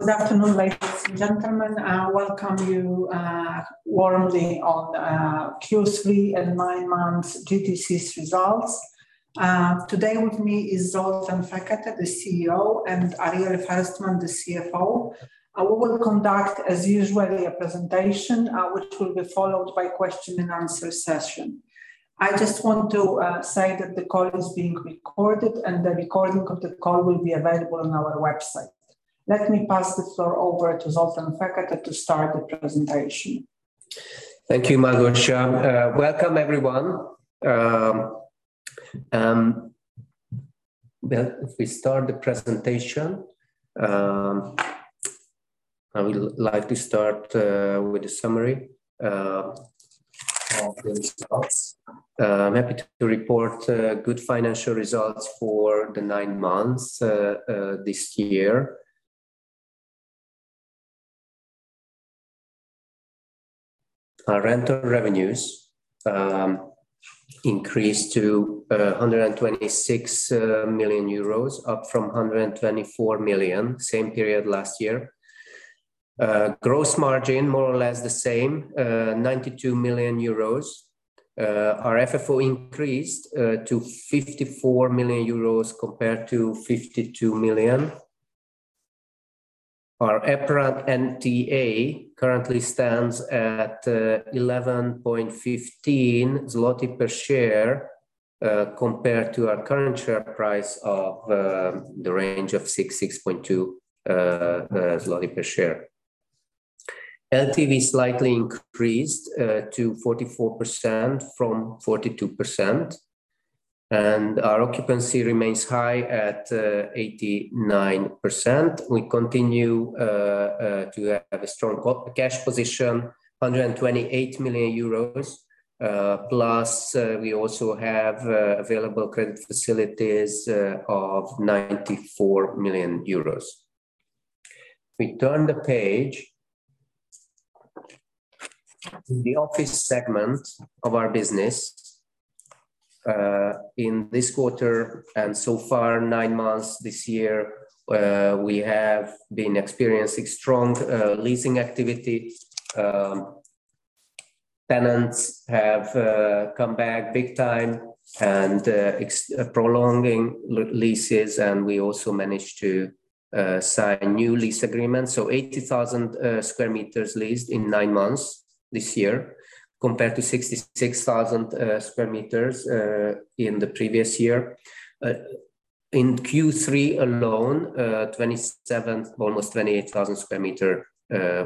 Good afternoon, ladies and gentlemen. Welcome you warmly to Q3 and nine-month GTC's results. Today with me is Zoltán Fekete, the CEO, and Ariel Ferstman, the CFO. We will conduct, as usual, a presentation, which will be followed by question and answer session. I just want to say that the call is being recorded and the recording of the call will be available on our website. Let me pass the floor over to Zoltán Fekete to start the presentation. Thank you, Malgosia. Welcome everyone. Well, if we start the presentation, I would like to start with a summary of the results. I'm happy to report good financial results for the nine months this year. Our rental revenues increased to 126 million euros, up from 124 million same period last year. Gross margin, more or less the same, 92 million euros. Our FFO increased to 54 million euros compared to 52 million. Our EPRA NAV currently stands at 11.15 zloty per share, compared to our current share price of the range of 6-6.2 zloty per share. LTV slightly increased to 44% from 42%, and our occupancy remains high at 89%. We continue to have a strong cash position, 128 million euros, plus we also have available credit facilities of 94 million euros. If we turn the page. In the office segment of our business, in this quarter and so far nine months this year, we have been experiencing strong leasing activity. Tenants have come back big time and prolonging leases and we also managed to sign new lease agreements. 80,000 square meters leased in nine months this year, compared to 66,000 square meters in the previous year. In Q3 alone, 27,000, almost 28,000 square meters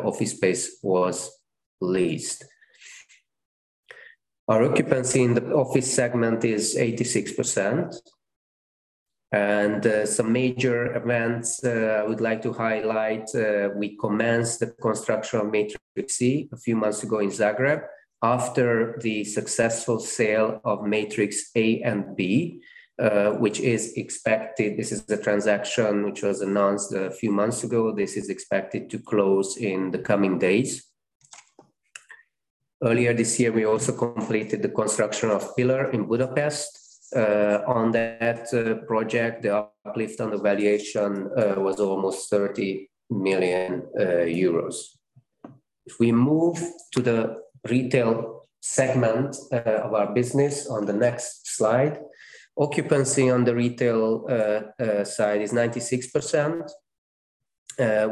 office space was leased. Our occupancy in the office segment is 86%. Some major events I would like to highlight. We commenced the construction of Matrix C a few months ago in Zagreb after the successful sale of Matrix A and B, which is expected, this is the transaction which was announced a few months ago. This is expected to close in the coming days. Earlier this year, we also completed the construction of Pillar in Budapest. On that project, the uplift on the valuation was almost 30 million euros. If we move to the retail segment of our business on the next slide. Occupancy on the retail side is 96%.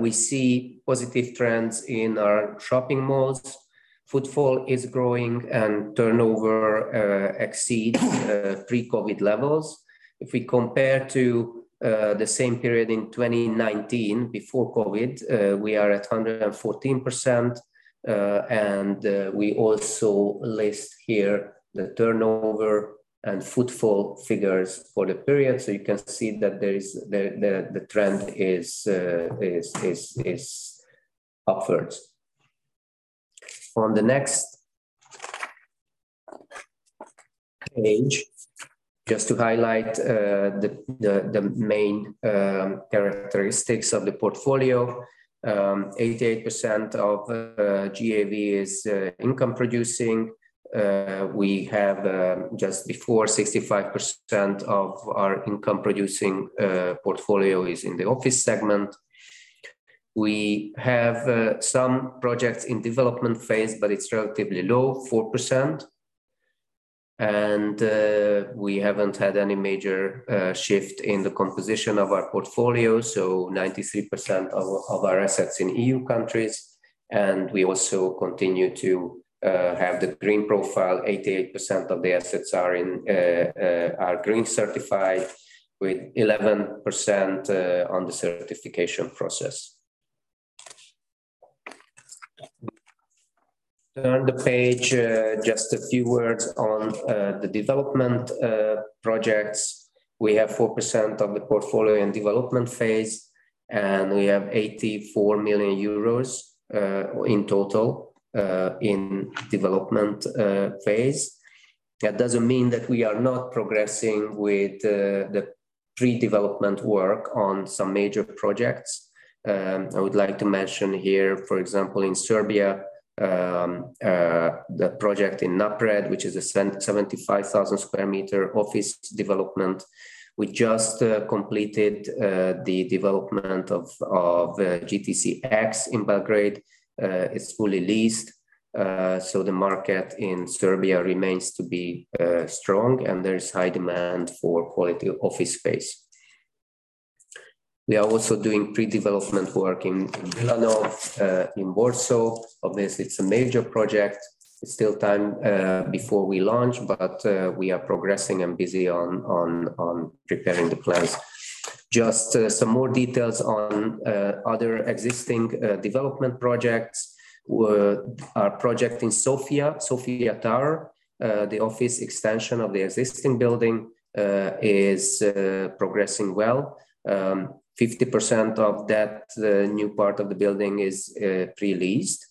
We see positive trends in our shopping malls. Footfall is growing and turnover exceeds pre-COVID levels. If we compare to the same period in 2019, before COVID, we are at 114%, and we also list here the turnover and footfall figures for the period. You can see that the trend is upwards. On the next page, just to highlight, the main characteristics of the portfolio. 88% of GAV is income producing. We have just before 65% of our income producing portfolio is in the office segment. We have some projects in development phase, but it's relatively low, 4%. We haven't had any major shift in the composition of our portfolio, so 93% of our assets in EU countries. We also continue to have the green profile. 88% of the assets are green certified with 11% on the certification process. Turn the page, just a few words on the development projects. We have 4% of the portfolio in development phase, and we have 84 million euros in total in development phase. That doesn't mean that we are not progressing with the pre-development work on some major projects. I would like to mention here, for example, in Serbia, the project in Napred, which is a 75,000 square meter office development. We just completed the development of GTC X in Belgrade. It's fully leased, so the market in Serbia remains to be strong, and there is high demand for quality office space. We are also doing pre-development work in Wilanów, in Warsaw. Obviously, it's a major project. It's still time before we launch, but we are progressing and busy on preparing the plans. Just some more details on other existing development projects. Our project in Sofia Tower, the office extension of the existing building is progressing well. 50% of that, the new part of the building is pre-leased.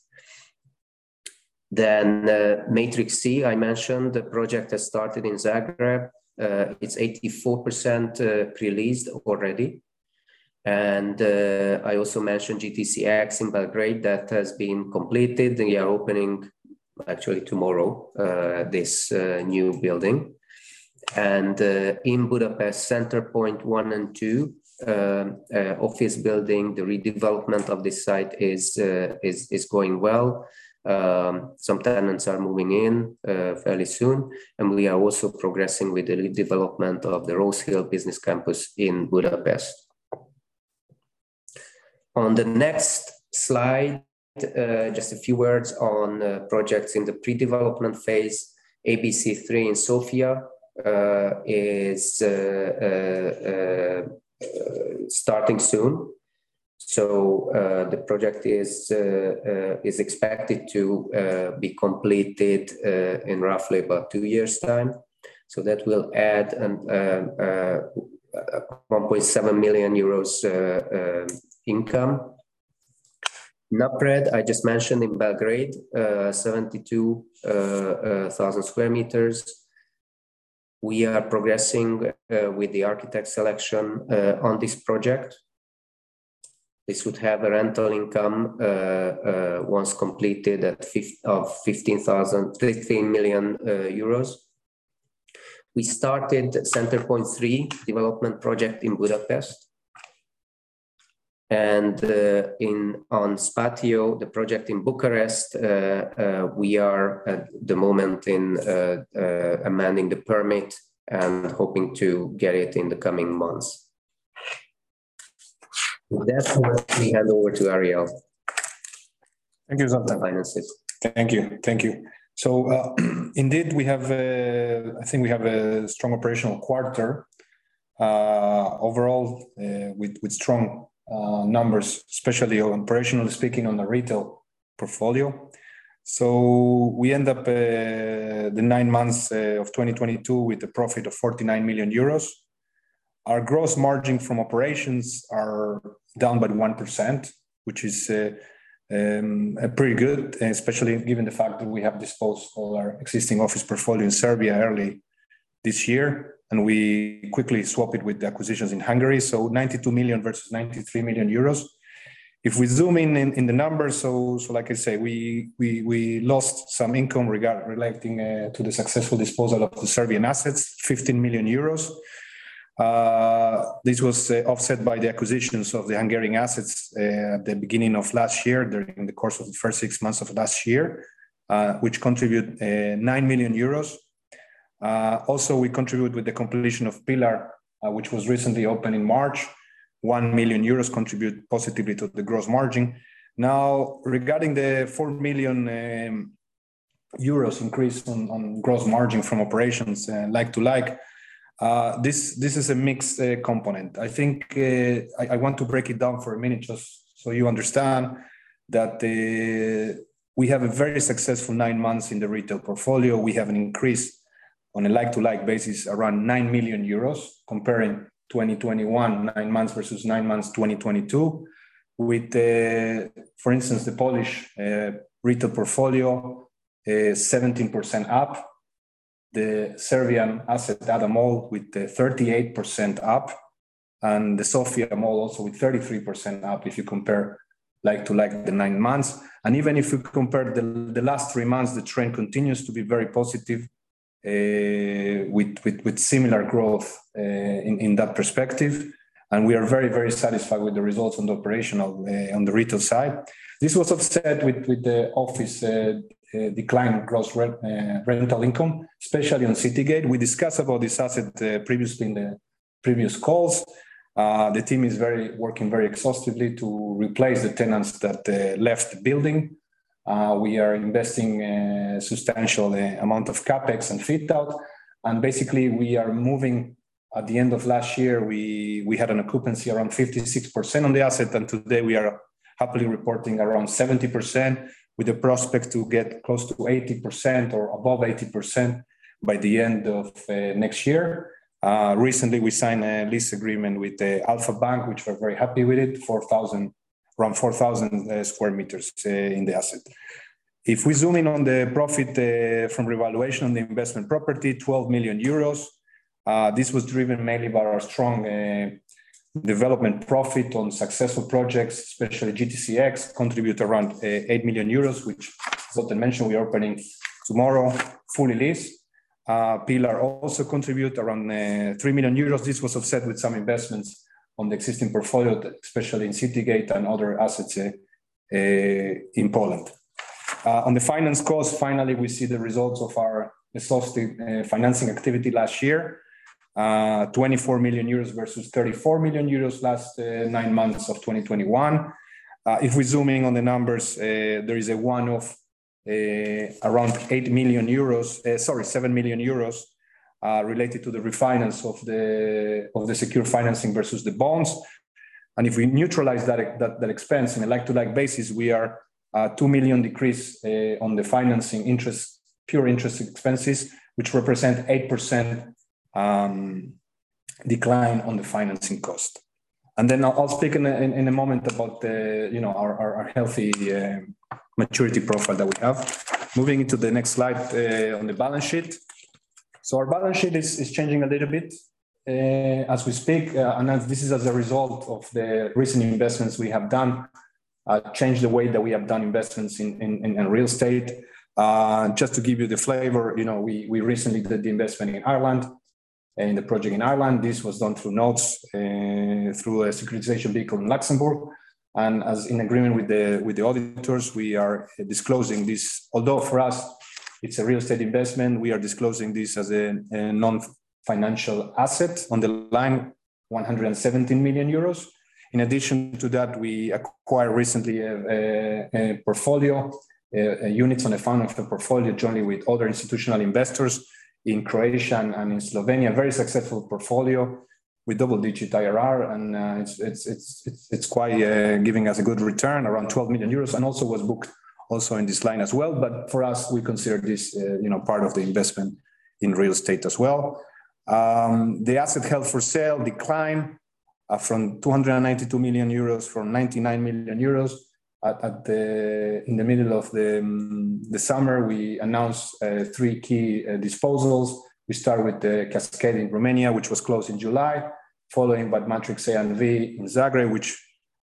Matrix C, I mentioned the project has started in Zagreb. It's 84% pre-leased already. I also mentioned GTC X in Belgrade. That has been completed, and we are opening actually tomorrow this new building. In Budapest, Center Point 1 and 2, office building, the redevelopment of this site is going well. Some tenants are moving in fairly soon. We are also progressing with the redevelopment of the Rose Hill Business Campus in Budapest. On the next slide, just a few words on projects in the pre-development phase. ABC 3 in Sofia is starting soon. The project is expected to be completed in roughly about two years' time. That will add EUR 1.7 million income. Napred, I just mentioned in Belgrade, 72,000 sq m. We are progressing with the architect selection on this project. This would have a rental income once completed at 13 million euros. We started Center Point 3 development project in Budapest. On Spatio, the project in Bucharest, we are at the moment in amending the permit and hoping to get it in the coming months. With that, let me hand over to Ariel. Thank you, Zoltán. Finances. Thank you. Indeed, we have, I think we have a strong operational quarter, overall, with strong numbers, especially operationally speaking on the retail portfolio. We end up the nine months of 2022 with a profit of 49 million euros. Our gross margin from operations are down by 1%, which is pretty good, especially given the fact that we have disposed all our existing office portfolio in Serbia early this year, and we quickly swap it with the acquisitions in Hungary. 92 million versus 93 million euros. If we zoom in the numbers, like I say, we lost some income relating to the successful disposal of the Serbian assets, 15 million euros. This was offset by the acquisitions of the Hungarian assets, at the beginning of last year, during the course of the first six months of last year, which contribute 9 million euros. Also, we contribute with the completion of Pillar, which was recently opened in March. 1 million euros contributes positively to the gross margin. Now, regarding the 4 million euros increase on gross margin from operations like-for-like, this is a mixed component. I think, I want to break it down for a minute just so you understand that we have a very successful nine months in the retail portfolio. We have an increase on a like-for-like basis, around 9 million euros, comparing 2021, nine months versus nine months, 2022. With the, for instance, the Polish retail portfolio is 17% up. The Serbian asset, Ada Mall, with the 38% up. The Sofia Mall also with 33% up if you compare like-for-like the nine months. Even if you compare the last three months, the trend continues to be very positive with similar growth in that perspective. We are very satisfied with the results on the retail side. This was offset with the office decline in gross rental income, especially on City Gate. We discussed about this asset previously in the previous calls. The team is working very exhaustively to replace the tenants that left the building. We are investing a substantial amount of CapEx and fit-out. Basically, at the end of last year, we had an occupancy around 56% on the asset, and today we are happily reporting around 70% with the prospect to get close to 80% or above 80% by the end of next year. Recently, we signed a lease agreement with Alpha Bank, which we're very happy with it, around 4,000 sqm in the asset. If we zoom in on the profit from revaluation on the investment property, 12 million euros. This was driven mainly by our strong development profit on successful projects, especially GTCX contribute around 8 million euros, which Zoltán mentioned we're opening tomorrow, fully leased. Pillar also contribute around 3 million euros. This was offset with some investments on the existing portfolio, especially in City Gate and other assets in Poland. On the financing cost, finally, we see the results of our exhaustive financing activity last year. 24 million euros versus 34 million euros last nine months of 2021. If we zoom in on the numbers, there is a one-off around 8 million euros, sorry, 7 million euros related to the refinance of the secured financing versus the bonds. If we neutralize that expense in a like-for-like basis, we are two million decrease on the financing interest, pure interest expenses, which represent 8% decline on the financing cost. I'll speak in a moment about the, you know, our healthy maturity profile that we have. Moving into the next slide on the balance sheet. Our balance sheet is changing a little bit as we speak. This is as a result of the recent investments we have done changed the way that we have done investments in real estate. Just to give you the flavor, you know, we recently did the investment in Ireland and the project in Ireland. This was done through notes through a securitization vehicle in Luxembourg. In agreement with the auditors, we are disclosing this. Although for us it's a real estate investment, we are disclosing this as a non-financial asset on the line 117 million euros. In addition to that, we acquired recently a portfolio units in a fund of the portfolio jointly with other institutional investors in Croatia and in Slovenia. Very successful portfolio with double-digit IRR, and it's quite giving us a good return around 12 million euros, and was booked in this line as well. For us, we consider this, you know, part of the investment in real estate as well. The asset held for sale declined from 292 million euros to 99 million euros. In the middle of the summer, we announced three key disposals. We start with the Cascade in Romania, which was closed in July, followed by Matrix A&B in Zagreb, which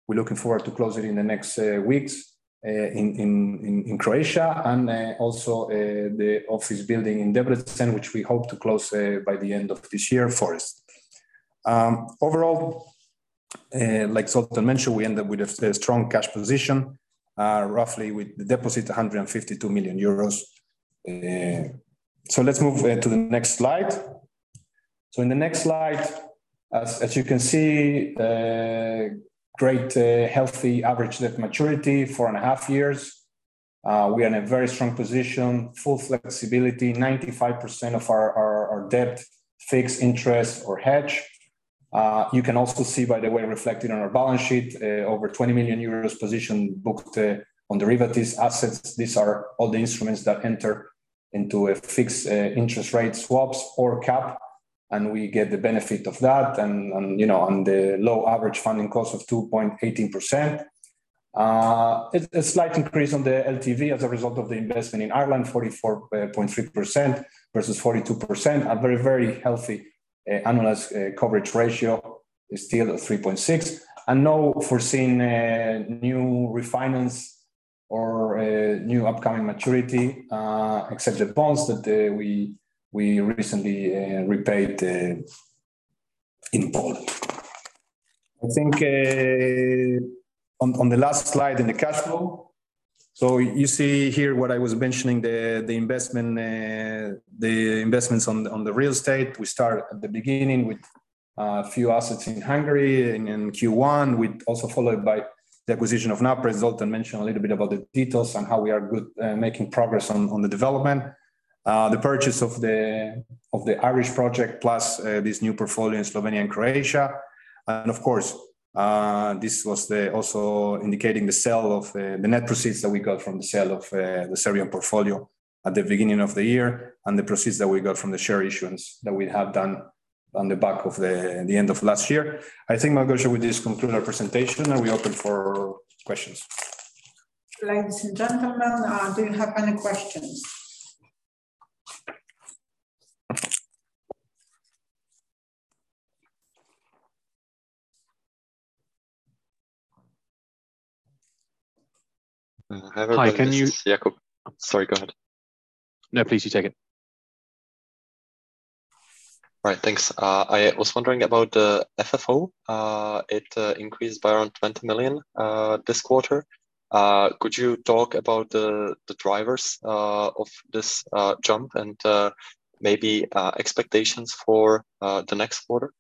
we're looking forward to closing in the next weeks, in Croatia, and also the office building in Debrecen, which we hope to close by the end of this year for us. Overall, like Zoltán mentioned, we end up with a strong cash position, roughly with the deposit 152 million euros. Let's move to the next slide. In the next slide, as you can see, great healthy average debt maturity, 4.5 years. We are in a very strong position, full flexibility, 95% of our debt fixed interest or hedge. You can also see, by the way, reflected on our balance sheet, over 20 million euros position booked on derivatives assets. These are all the instruments that enter into a fixed interest rate swaps or cap, and we get the benefit of that and, you know, on the low average funding cost of 2.18%. A slight increase on the LTV as a result of the investment in Ireland, 44.3% versus 42%. A very, very healthy, annualized, coverage ratio is still at 3.6. No foreseen, new refinance or, new upcoming maturity, except the bonds that, we recently, repaid, in Poland. I think, on the last slide in the cash flow. You see here what I was mentioning, the investments on the real estate. We start at the beginning with a few assets in Hungary in Q1. Followed by the acquisition of NAP, as Zoltán mentioned, a little bit about the details on how we are making progress on the development. The purchase of the Irish project, plus this new portfolio in Slovenia and Croatia. Of course, this was also indicating the net proceeds that we got from the sale of the Serbian portfolio at the beginning of the year and the proceeds that we got from the share issuance that we have done on the back of the end of last year. I think, Magda, with this conclude our presentation, and we open for questions. Ladies and gentlemen, do you have any questions? Hi. This is Jakub. Sorry, go ahead. No, please, you take it. All right, thanks. I was wondering about the FFO. It increased by around 20 million this quarter. Could you talk about the drivers of this jump and maybe expectations for the next quarter?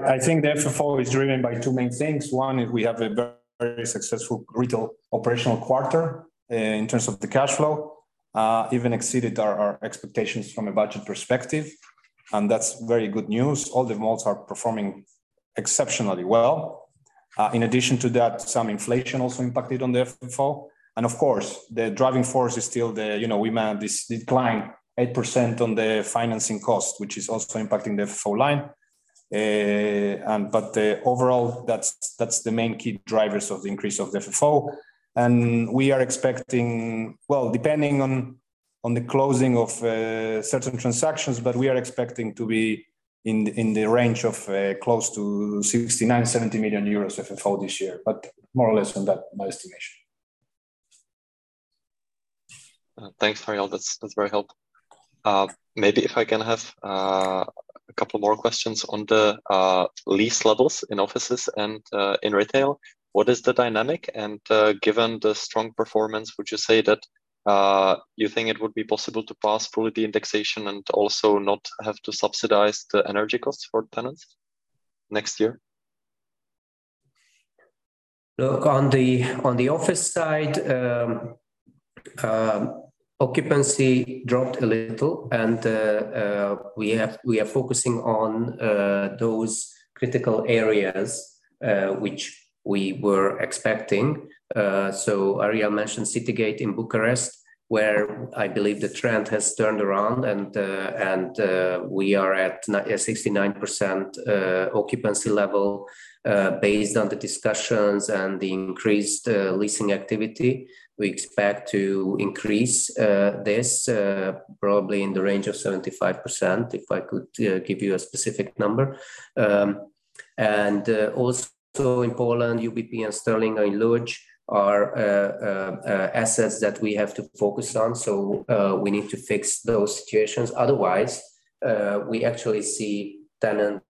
I think the FFO is driven by two main things. One is we have a very successful retail operational quarter, in terms of the cash flow, even exceeded our expectations from a budget perspective, and that's very good news. All the malls are performing exceptionally well. In addition to that, some inflation also impacted on the FFO. Of course, the driving force is still the, you know, we managed this decline 8% on the financing cost, which is also impacting the FFO line. But overall, that's the main key drivers of the increase of the FFO. We are expecting. Well, depending on the closing of certain transactions, but we are expecting to be in the range of close to 69 million-70 million euros FFO this year. But more or less on that, my estimation. Thanks, Ariel. That's very helpful. Maybe if I can have a couple more questions on the lease levels in offices and in retail. What is the dynamic? Given the strong performance, would you say that you think it would be possible to pass through the indexation and also not have to subsidize the energy costs for tenants next year? Look, on the office side, occupancy dropped a little and we are focusing on those critical areas which we were expecting. Ariel mentioned City Gate in Bucharest, where I believe the trend has turned around and we are at 69% occupancy level. Based on the discussions and the increased leasing activity, we expect to increase this probably in the range of 75%, if I could give you a specific number. Also in Poland, UBP and Sterlinga in Łódź are assets that we have to focus on, so we need to fix those situations. Otherwise, we actually see tenants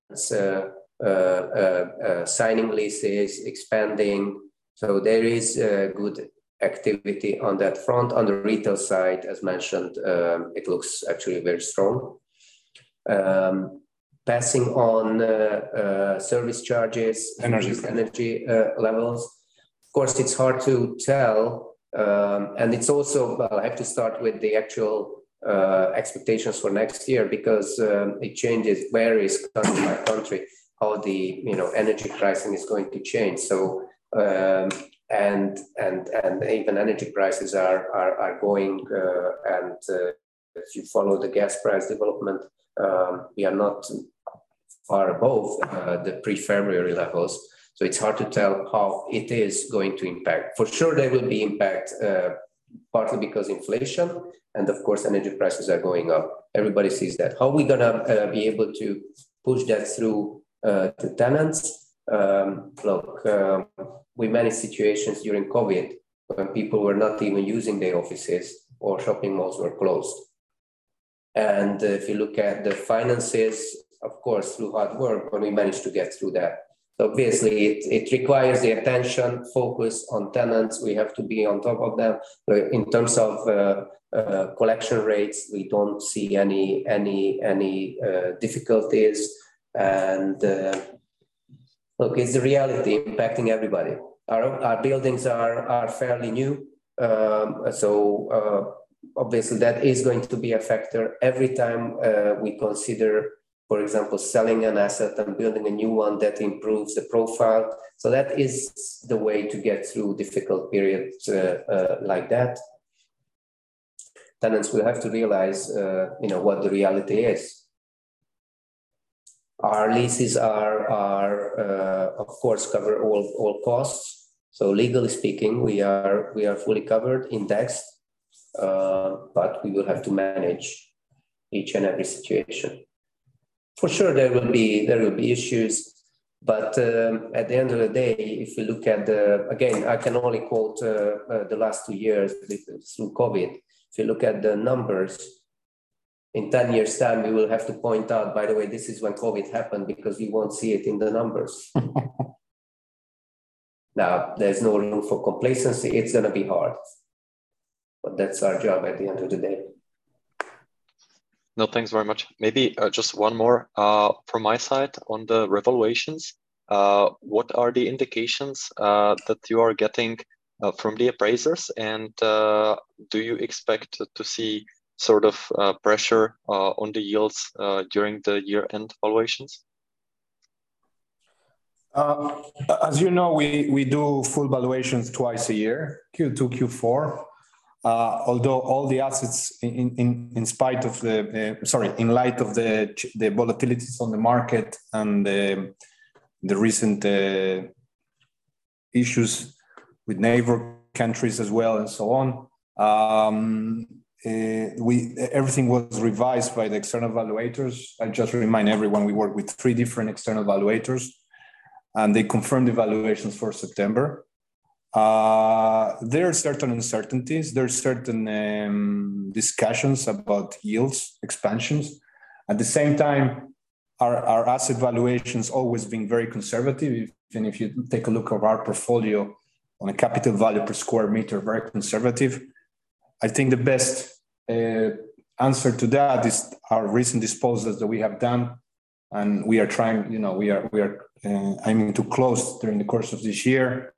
signing leases, expanding. There is good activity on that front. On the retail side, as mentioned, it looks actually very strong. Passing on service charges. Energy Energy levels. Of course, it's hard to tell, and it's also. Well, I have to start with the actual expectations for next year because it changes, varies country by country how the, you know, energy pricing is going to change. So, and even energy prices are going, and if you follow the gas price development, we are not far above the pre-February levels, so it's hard to tell how it is going to impact. For sure, there will be impact, partly because inflation and of course energy prices are going up. Everybody sees that. How are we gonna be able to push that through to tenants? Look, we managed situations during COVID when people were not even using their offices or shopping malls were closed. If you look at the finances, of course, through hard work, but we managed to get through that. Obviously it requires the attention, focus on tenants. We have to be on top of them. In terms of collection rates, we don't see any difficulties. Look, it's the reality impacting everybody. Our own buildings are fairly new, so obviously that is going to be a factor every time we consider, for example, selling an asset and building a new one that improves the profile. That is the way to get through difficult periods like that. Tenants will have to realize, you know, what the reality is. Our leases are, of course, cover all costs. Legally speaking, we are fully covered, indexed, but we will have to manage each and every situation. For sure, there will be issues. At the end of the day, again, I can only quote the last 2 years within, through COVID. If you look at the numbers, in 10 years' time, we will have to point out, by the way, this is when COVID happened because we won't see it in the numbers. Now, there's no room for complacency. It's gonna be hard. That's our job at the end of the day. No, thanks very much. Maybe, just one more, from my side on the revaluations. What are the indications that you are getting from the appraisers? Do you expect to see sort of pressure on the yields during the year-end valuations? As you know, we do full valuations twice a year, Q2, Q4. Although all the assets in light of the volatilities on the market and the recent issues With neighbor countries as well and so on. Everything was revised by the external evaluators. I just remind everyone, we work with three different external evaluators, and they confirmed valuations for September. There are certain uncertainties, certain discussions about yields, expansions. At the same time, our asset valuation's always been very conservative, even if you take a look at our portfolio on a capital value per square meter, very conservative. I think the best answer to that is our recent disposals that we have done, and we are trying, you know, we are aiming to close during the course of this year,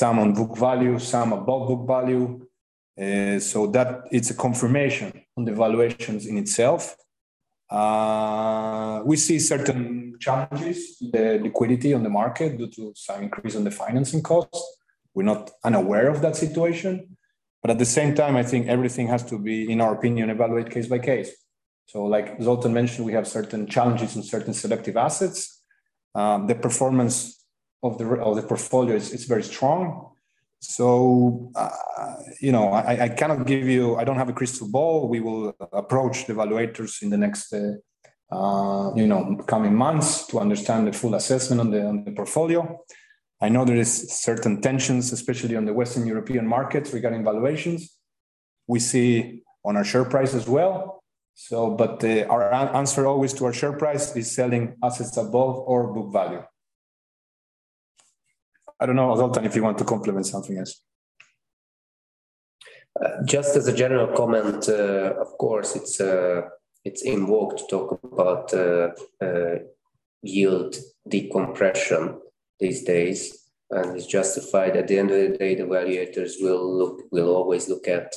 some on book value, some above book value. That it's a confirmation on the valuations in itself. We see certain challenges, the liquidity on the market due to some increase in the financing costs. We're not unaware of that situation. At the same time, I think everything has to be, in our opinion, evaluated case by case. Like Zoltán mentioned, we have certain challenges on certain selective assets. The performance of the portfolio is very strong. You know, I cannot give you. I don't have a crystal ball. We will approach the evaluators in the next, you know, coming months to understand the full assessment on the portfolio. I know there is certain tensions, especially on the Western European markets regarding valuations. We see on our share price as well. But our answer always to our share price is selling assets above or book value. I don't know, Zoltán, if you want to comment on something else. Just as a general comment, of course, it's in vogue to talk about yield decompression these days, and it's justified. At the end of the day, the evaluators will always look at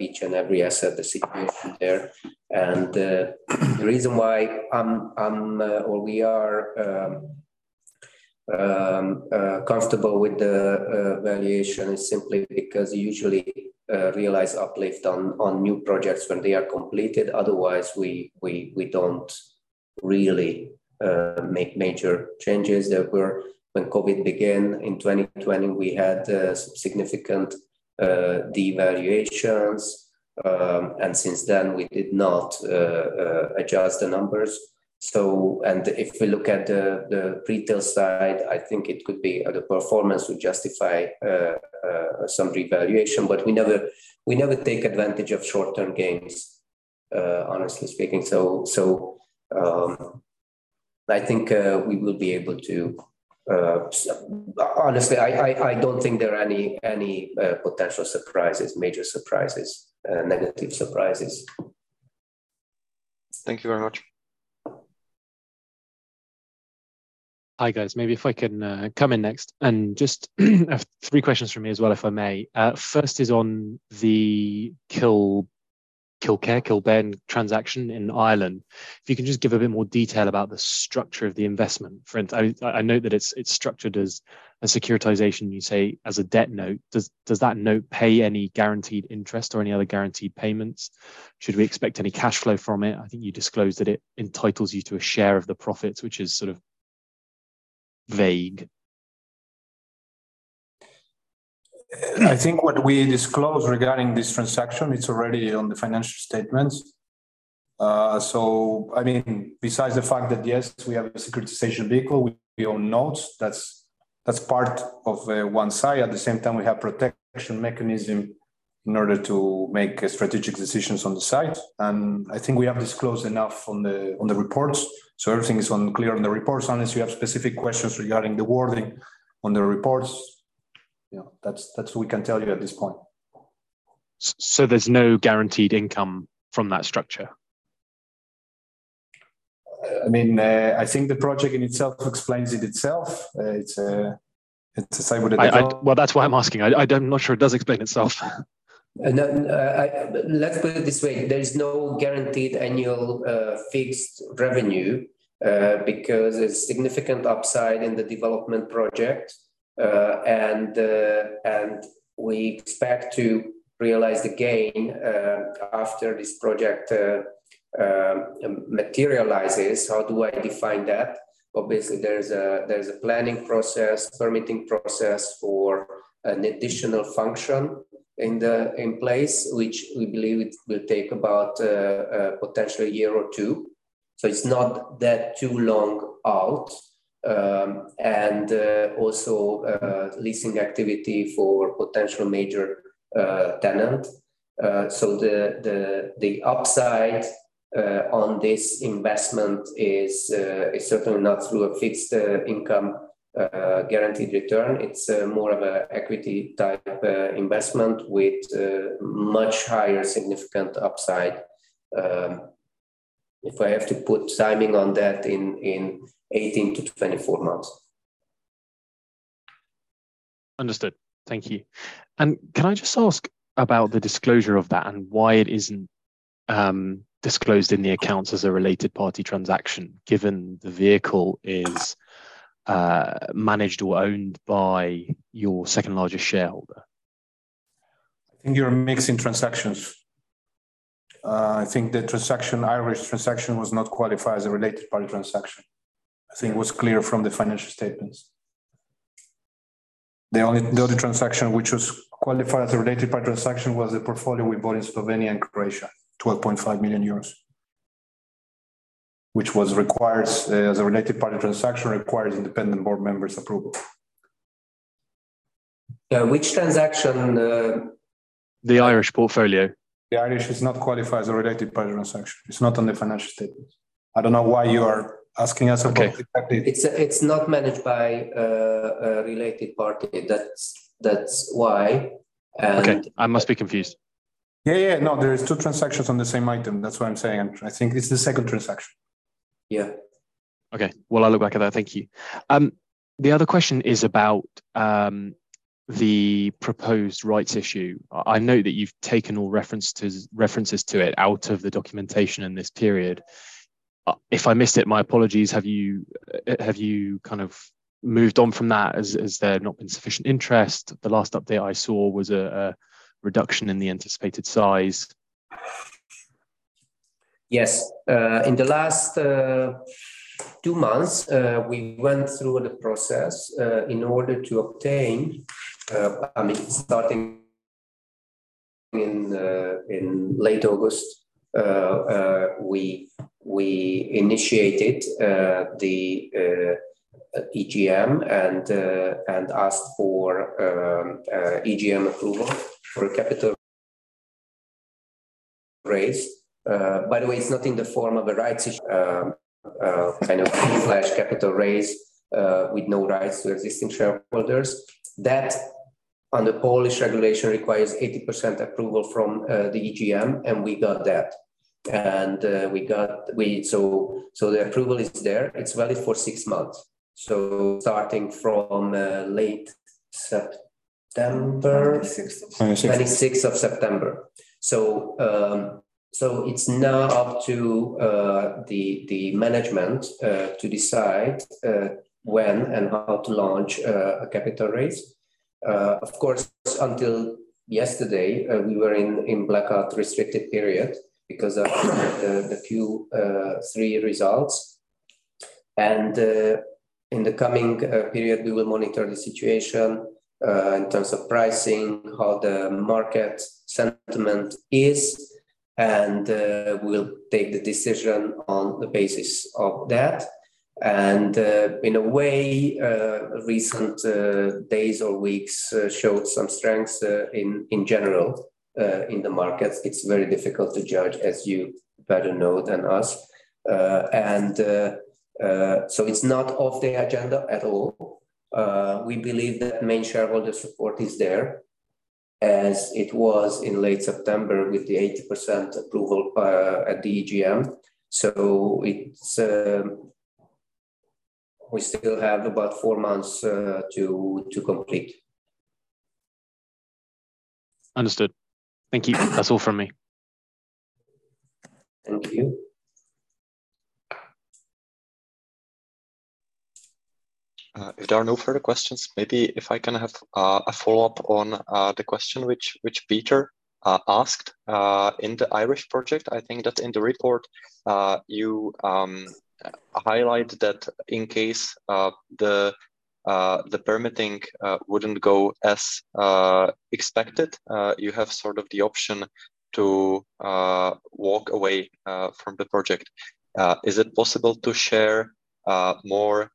each and every asset, the situation there. The reason why I'm or we are comfortable with the valuation is simply because we usually realize uplift on new projects when they are completed. Otherwise, we don't really make major changes. When COVID began in 2020, we had some significant devaluations. Since then we did not adjust the numbers. If we look at the retail side, I think it could be the performance would justify some revaluation, but we never take advantage of short-term gains, honestly speaking. I think we will be able to. Honestly, I don't think there are any potential surprises, major surprises, negative surprises. Thank you very much. Hi, guys. Maybe if I can come in next and just three questions from me as well, if I may. First is on the Kildare, Kilkenny transaction in Ireland. If you can just give a bit more detail about the structure of the investment. I note that it's structured as a securitization, you say, as a debt note. Does that note pay any guaranteed interest or any other guaranteed payments? Should we expect any cash flow from it? I think you disclosed that it entitles you to a share of the profits, which is sort of vague. I think what we disclose regarding this transaction, it's already on the financial statements. I mean, besides the fact that yes, we have a securitization vehicle, we own notes, that's part of one side. At the same time, we have protection mechanism in order to make strategic decisions on the site. I think we have disclosed enough on the reports. Everything is all clear on the reports. Unless you have specific questions regarding the wording on the reports, you know, that's what we can tell you at this point. There's no guaranteed income from that structure? I mean, I think the project in itself explains it itself. It's the same with the development. Well, that's why I'm asking. I'm not sure it does explain itself. Let's put it this way. There is no guaranteed annual fixed revenue because there's significant upside in the development project. We expect to realize the gain after this project materializes. How do I define that? Obviously, there's a planning process, permitting process for an additional function in place, which we believe it will take about a potential year or two. It's not too long out. Also, leasing activity for potential major tenant. The upside on this investment is certainly not through a fixed income guaranteed return. It's more of a equity type investment with much higher significant upside. If I have to put timing on that, in 18-24 months. Understood. Thank you. Can I just ask about the disclosure of that and why it isn't disclosed in the accounts as a related party transaction, given the vehicle is managed or owned by your second largest shareholder? I think you're mixing transactions. I think the Irish transaction was not qualified as a related party transaction. I think it was clear from the financial statements. The only transaction which was qualified as a related party transaction was the portfolio we bought in Slovenia and Croatia, 12.5 million euros. Which was required as a related party transaction, requires independent board members' approval. Which transaction? The Irish portfolio. The Irish is not qualified as a related party transaction. It's not on the financial statements. I don't know why you are asking us about it that date. It's not managed by a related party. That's why. Okay. I must be confused. Yeah, yeah. No, there is two transactions on the same item. That's what I'm saying. I think it's the second transaction. Yeah. Okay. Well, I'll look back at that. Thank you. The other question is about the proposed rights issue. I know that you've taken all references to it out of the documentation in this period. If I missed it, my apologies. Have you kind of moved on from that as there had not been sufficient interest? The last update I saw was a reduction in the anticipated size. Yes. In the last two months, we went through the process in order to obtain, I mean, starting in late August. We initiated the EGM and asked for a EGM approval for a capital raise. By the way, it's not in the form of a rights issue, kind of cash/capital raise, with no rights to existing shareholders. That, under Polish regulation, requires 80% approval from the EGM, and we got that. The approval is there. It's valid for six months. Starting from late September- Twenty-sixth. Twenty-sixth of September. It's now up to the management to decide when and how to launch a capital raise. Of course, until yesterday, we were in blackout restricted period because of the Q3 results. In the coming period, we will monitor the situation in terms of pricing, how the market sentiment is, and we'll take the decision on the basis of that. In a way, recent days or weeks showed some strength in general in the markets. It's very difficult to judge as you better know than us. It's not off the agenda at all. We believe that main shareholder support is there as it was in late September with the 80% approval at the EGM. It's. We still have about four months to complete. Understood. Thank you. That's all from me. Thank you. If there are no further questions, maybe if I can have a follow-up on the question which Peter asked. In the Irish project, I think that in the report you highlight that in case the permitting wouldn't go as expected, you have sort of the option to walk away from the project. Is it possible to share more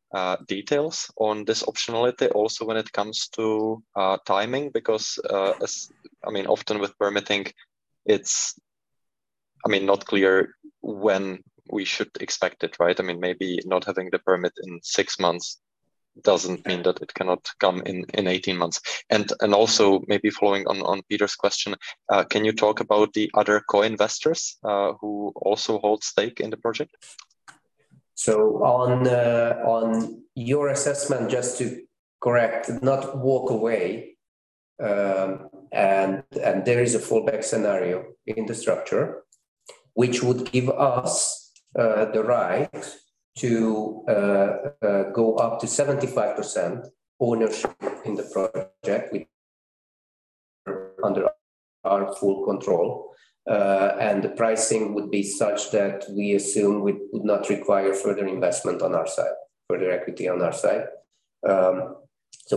details on this optionality also when it comes to timing? Because, I mean, often with permitting, it's, I mean, not clear when we should expect it, right? I mean, maybe not having the permit in 6 months doesn't mean that it cannot come in 18 months. Also maybe following on Peter's question, can you talk about the other co-investors who also hold stake in the project? On your assessment, just to correct, not walk away, and there is a fallback scenario in the structure, which would give us the right to go up to 75% ownership in the project with it under our full control. And the pricing would be such that we assume we would not require further investment on our side, further equity on our side.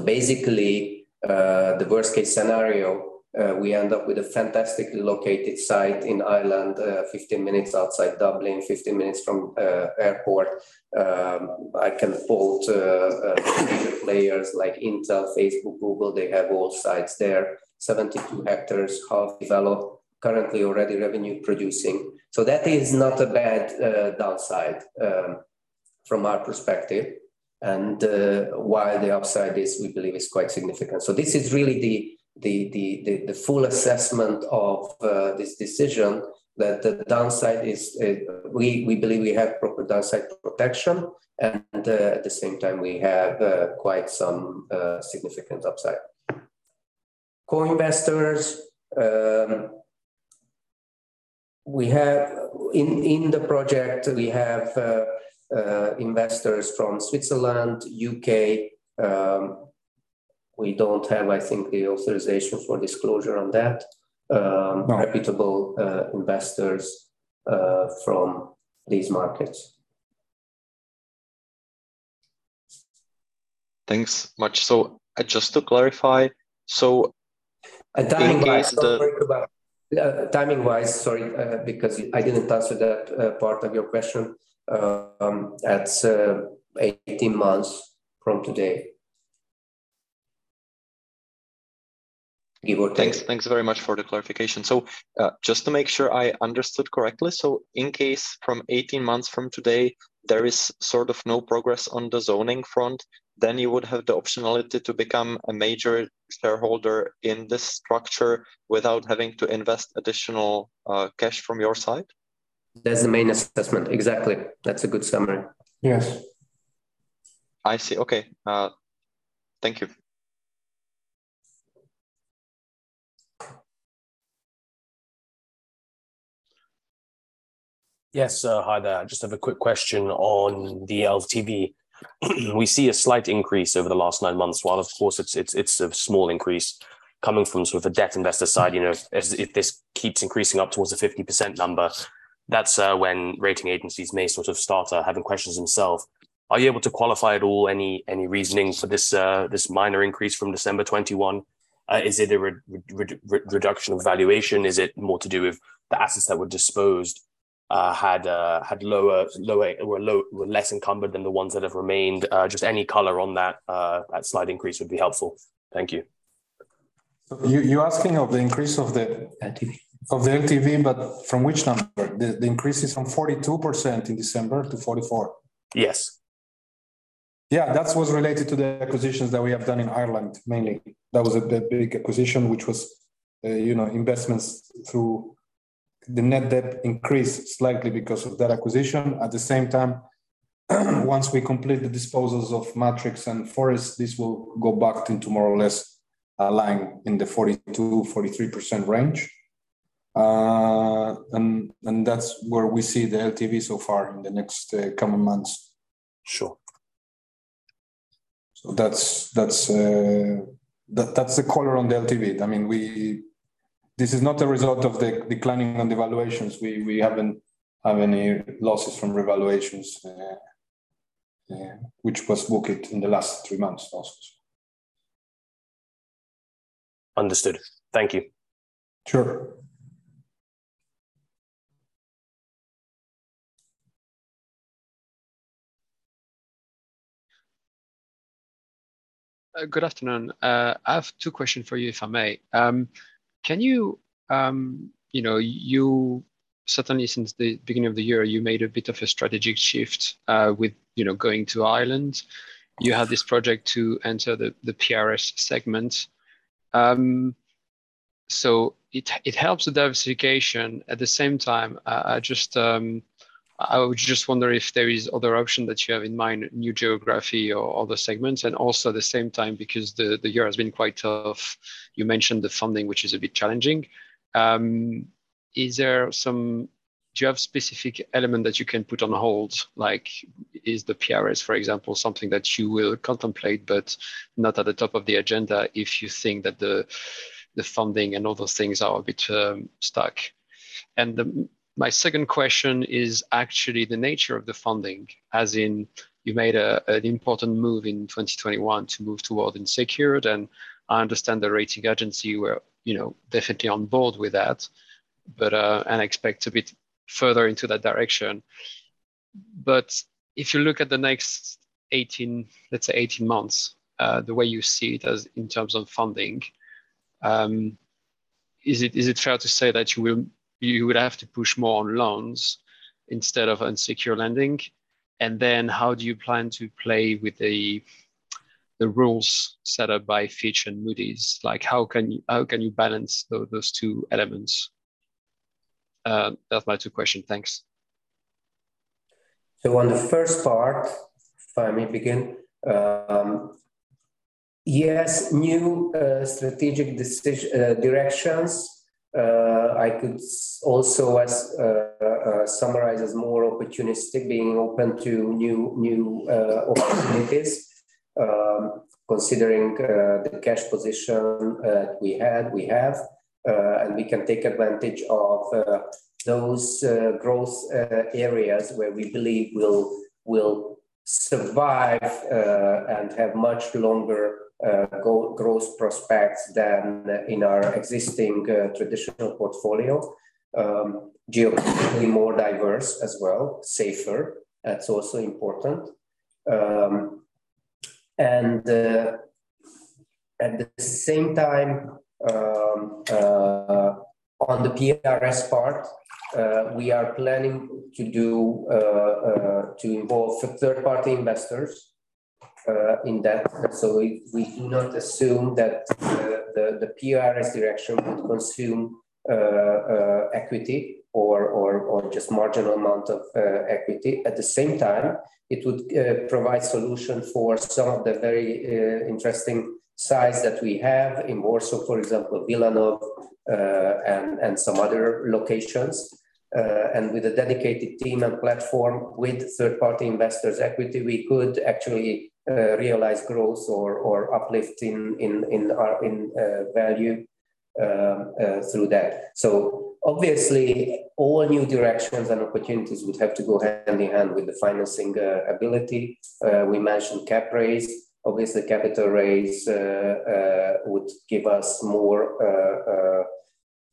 Basically, the worst-case scenario, we end up with a fantastically located site in Ireland, 15 minutes outside Dublin, 15 minutes from an airport. I can quote major players like Intel, Facebook, Google, they have all sites there. 72 hectares, half developed, currently already revenue producing. That is not a bad downside from our perspective, and why the upside is, we believe, is quite significant. This is really the full assessment of this decision that the downside is, we believe we have proper downside protection and, at the same time, we have quite some significant upside. Co-investors. We have, in the project, investors from Switzerland, U.K. We don't have, I think, the authorization for disclosure on that. No... reputable investors from these markets. Thanks much. Just to clarify. Timing-wise, sorry, because I didn't answer that part of your question. That's 18 months from today. Give or take. Thanks. Thanks very much for the clarification. Just to make sure I understood correctly. In case from 18 months from today there is sort of no progress on the zoning front, then you would have the optionality to become a major shareholder in this structure without having to invest additional cash from your side? That's the main assessment. Exactly. That's a good summary. Yes. I see. Okay. Thank you. Yes. Hi there. I just have a quick question on the LTV. We see a slight increase over the last nine months, while of course it's a small increase coming from sort of a debt investor side. You know, as if this keeps increasing up towards the 50% number, that's when rating agencies may sort of start having questions themselves. Are you able to qualify at all any reasoning for this minor increase from December 2021? Is it a reduction of valuation? Is it more to do with the assets that were disposed were less encumbered than the ones that have remained? Just any color on that slight increase would be helpful. Thank you. You're asking of the increase of the. LTV... of the LTV, but from which number? The increase is from 42% in December to 44%. Yes. Yeah. That was related to the acquisitions that we have done in Ireland, mainly. That was the big acquisition, which was, you know, investments through the net debt increased slightly because of that acquisition. At the same time, once we complete the disposals of Matrix and Forest, this will go back into more or less lying in the 42%-43% range. That's where we see the LTV so far in the next coming months. Sure. That's the color on the LTV. I mean, this is not a result of the declining on the valuations. We haven't had any losses from revaluations, which was booked in the last three months losses. Understood. Thank you. Sure. Good afternoon. I have two questions for you, if I may. Can you know, you certainly since the beginning of the year, you made a bit of a strategic shift, with, you know, going to Ireland. You have this project to enter the PRS segment. It helps the diversification. At the same time, I just, I would just wonder if there is other option that you have in mind, new geography or other segments. Also at the same time, because the year has been quite tough, you mentioned the funding, which is a bit challenging. Do you have specific element that you can put on hold? Like, is the PRS, for example, something that you will contemplate but not at the top of the agenda if you think that the funding and other things are a bit stuck? My second question is actually the nature of the funding. As in you made an important move in 2021 to move toward unsecured, and I understand the rating agency were, you know, definitely on board with that, but and expect a bit further into that direction. If you look at the next 18, let's say 18 months, the way you see it as in terms of funding, is it fair to say that you would have to push more on loans instead of unsecured lending? Then how do you plan to play with the rules set up by Fitch and Moody's? Like, how can you balance those two elements? That's my two question. Thanks. On the first part, if I may begin. Yes, new strategic directions, I could also summarize as more opportunistic being open to new opportunities, considering the cash position we have, and we can take advantage of those growth areas where we believe will survive and have much longer growth prospects than in our existing traditional portfolio. Geographically more diverse as well, safer. That's also important. At the same time, on the PRS part, we are planning to involve third party investors in that. We do not assume that the PRS direction would consume equity or just marginal amount of equity. At the same time, it would provide solution for some of the very interesting sites that we have in Warsaw, for example, Wilanów, and some other locations. With a dedicated team and platform with third-party investors equity, we could actually realize growth or uplift in our value through that. Obviously all new directions and opportunities would have to go hand in hand with the financing ability. We mentioned capital raise. Obviously capital raise would give us more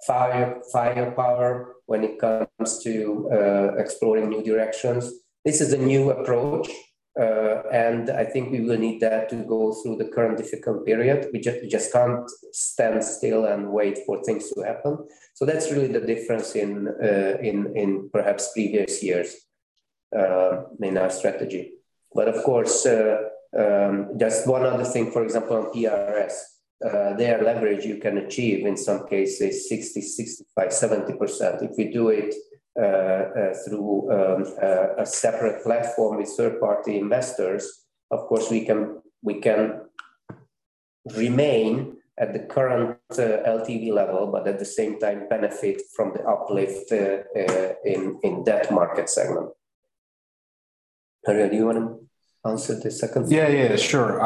firepower when it comes to exploring new directions. This is a new approach, and I think we will need that to go through the current difficult period. We just can't stand still and wait for things to happen. That's really the difference in perhaps previous years in our strategy. Of course, just one other thing, for example, on ERS, their leverage you can achieve in some cases 60, 65, 70%. If we do it through a separate platform with third-party investors, of course we can remain at the current LTV level, but at the same time benefit from the uplift in that market segment. Ariel, do you wanna answer the second one? Yeah, sure.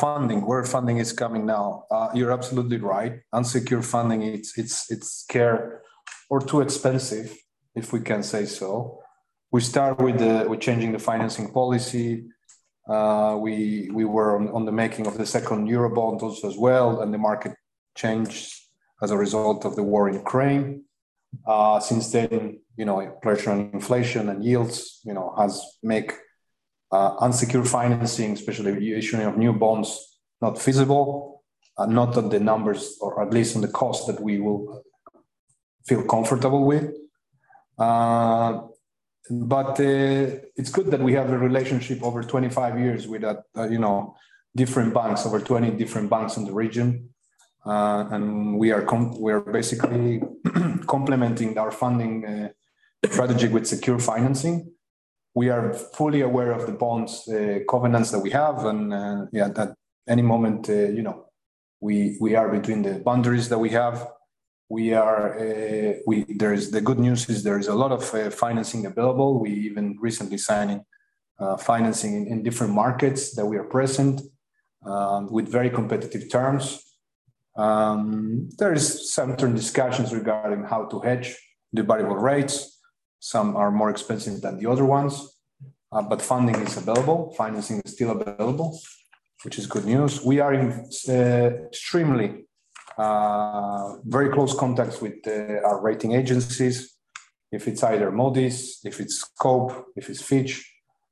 Funding, where funding is coming now. You're absolutely right. Unsecured funding, it's scarce or too expensive, if we can say so. We start with changing the financing policy. We were in the making of the second Eurobond also as well, and the market changed as a result of the war in Ukraine. Since then, you know, pressure on inflation and yields, you know, has made unsecured financing, especially the issuing of new bonds, not feasible. Not on the numbers or at least on the cost that we will feel comfortable with. But it's good that we have a relationship over 25 years with, you know, different banks, over 20 different banks in the region. We are basically complementing our funding strategy with secured financing. We are fully aware of the bonds, the covenants that we have, and at any moment, you know, we are between the boundaries that we have. The good news is there is a lot of financing available. We even recently signing financing in different markets that we are present with very competitive terms. There is some term discussions regarding how to hedge the variable rates. Some are more expensive than the other ones, but funding is available. Financing is still available, which is good news. We are in extremely very close contacts with our rating agencies. If it's either Moody's, if it's Scope, if it's Fitch,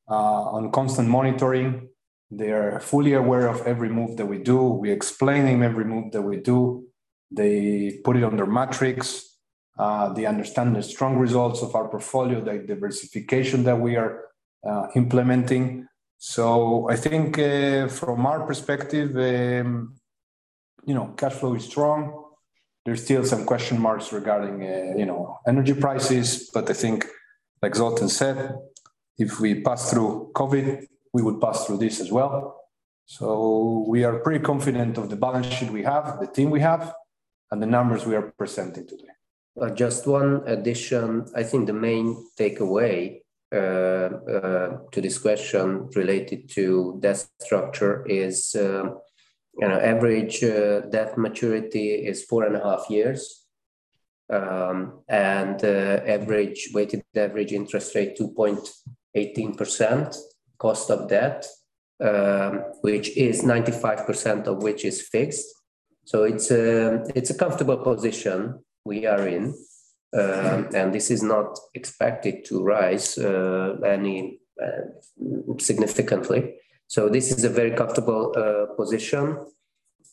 on constant monitoring. They are fully aware of every move that we do. We explaining every move that we do. They put it on their metrics. They understand the strong results of our portfolio, the diversification that we are implementing. I think, from our perspective, you know, cash flow is strong. There's still some question marks regarding, you know, energy prices. I think, like Zoltán said, if we pass through COVID, we would pass through this as well. We are pretty confident of the balance sheet we have, the team we have, and the numbers we are presenting today. Just one addition. I think the main takeaway to this question related to debt structure is, you know, average debt maturity is four and a half years. Weighted average interest rate 2.18% cost of debt, which is 95% of which is fixed. It's a comfortable position we are in, and this is not expected to rise any significantly. This is a very comfortable position.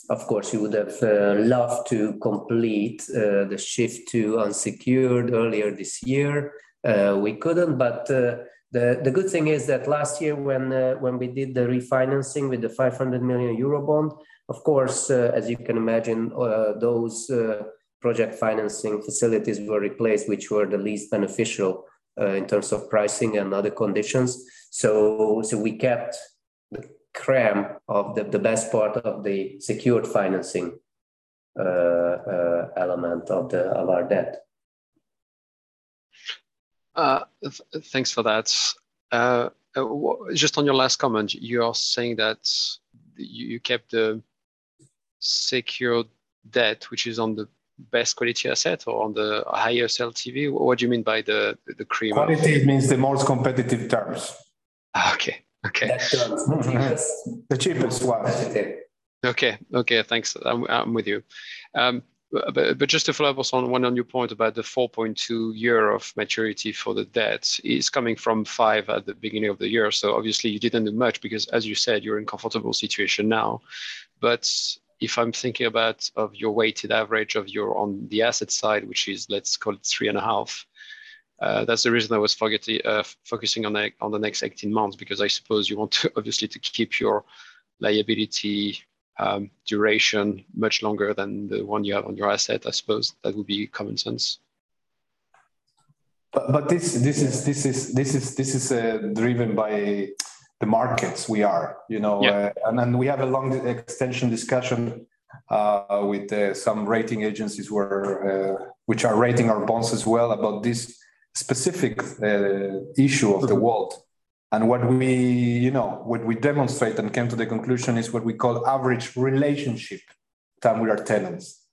Of course, we would have loved to complete the shift to unsecured earlier this year. We couldn't, but the good thing is that last year when we did the refinancing with the 500 million Eurobond, of course, as you can imagine, those project financing facilities were replaced, which were the least beneficial in terms of pricing and other conditions. We kept the cream of the best part of the secured financing element of our debt. Thanks for that. Just on your last comment, you are saying that you kept the secured debt, which is on the best quality asset or on the higher sale TV. What do you mean by the cream of- Quality means the most competitive terms. Okay. Okay. The cheapest. The cheapest one. The cheapest. Thanks. I'm with you. But just to follow up on your point about the 4.2-year maturity for the debt, it's coming from 5 at the beginning of the year, so obviously you didn't do much because, as you said, you're in comfortable situation now. If I'm thinking about your weighted average on the asset side, which is, let's call it 3.5, that's the reason I was focusing on the next 18 months, because I suppose you want to obviously keep your liability duration much longer than the one you have on your asset. I suppose that would be common sense. This is driven by the markets we are, you know? Yeah. We have a long extension discussion. With some rating agencies, which are rating our bonds as well, about this specific issue of the WALT. What we, you know, what we demonstrate and came to the conclusion is what we call average relationship term with our tenants.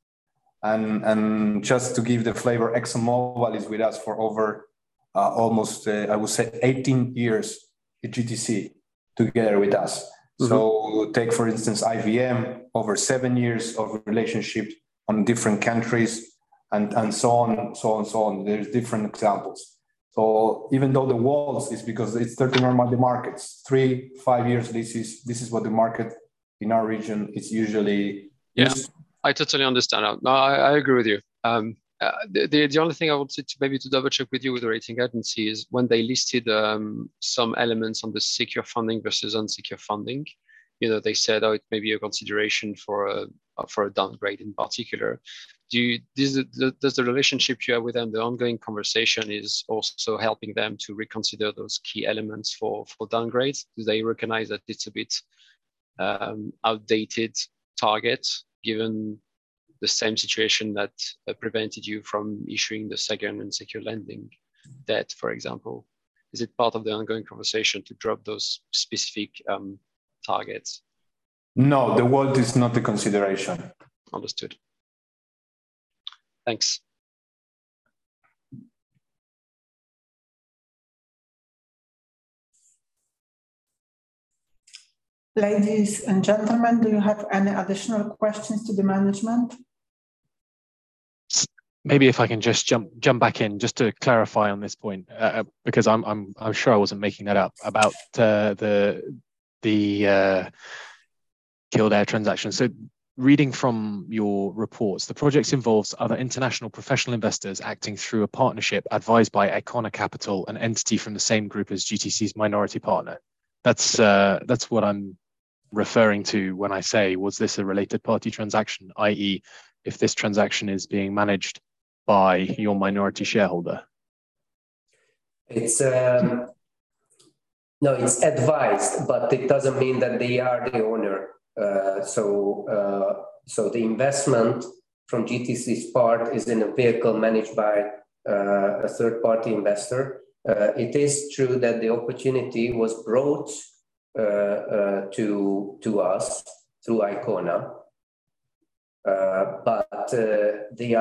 Just to give the flavor, ExxonMobil is with us for over almost I would say 18 years at GTC together with us. Mm-hmm. Take for instance, IBM, over seven years of relationship on different countries and so on. There are different examples. Even though the WALT is because it's 13 normal markets, 3-5 years, this is what the market in our region is usually. Yeah. I totally understand. No, I agree with you. The only thing I would say to maybe double-check with you with the rating agency is when they listed some elements on the secured funding versus unsecured funding, you know, they said, "Oh, it may be a consideration for a downgrade in particular." Does the relationship you have with them, the ongoing conversation is also helping them to reconsider those key elements for downgrades? Do they recognize that it's a bit outdated target, given the same situation that prevented you from issuing the second unsecured lending debt, for example? Is it part of the ongoing conversation to drop those specific targets? No, the WALT is not a consideration. Understood. Thanks. Ladies and gentlemen, do you have any additional questions to the management? Maybe if I can just jump back in just to clarify on this point, because I'm sure I wasn't making that up about the Kildare transaction. Reading from your reports, the project involves other international professional investors acting through a partnership advised by Icona Capital, an entity from the same group as GTC's minority partner. That's what I'm referring to when I say was this a related party transaction, i.e., if this transaction is being managed by your minority shareholder. It's advised, but it doesn't mean that they are the owner. The investment from GTC's part is in a vehicle managed by a third-party investor. It is true that the opportunity was brought to us through Icona. They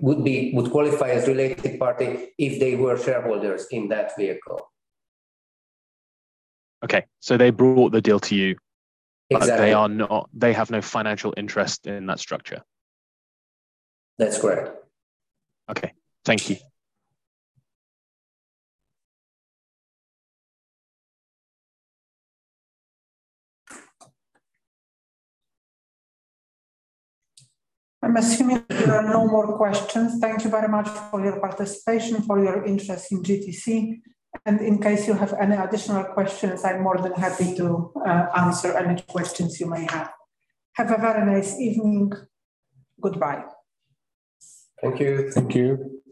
would qualify as related party if they were shareholders in that vehicle. Okay. They brought the deal to you. Exactly They are not. They have no financial interest in that structure. That's correct. Okay. Thank you. I'm assuming there are no more questions. Thank you very much for your participation, for your interest in GTC. In case you have any additional questions, I'm more than happy to answer any questions you may have. Have a very nice evening. Goodbye. Thank you. Thank you.